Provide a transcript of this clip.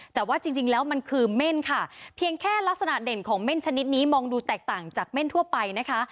แต่ว่าจริงแล้วมันคือเม่นค่ะเพียงแค่ลักษณะเด่นของเม่นชนิดนี้มองดูแตกต่างจากเม่นทั่วไปนะคะ